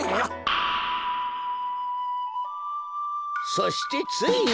そしてついに。